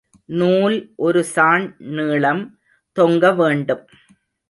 நூல் ஒரு சாண் நீளம் தொங்க வேண்டும்.